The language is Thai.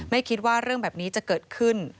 ไม่คิดว่าเรื่องแบบนี้จะเกิดขึ้น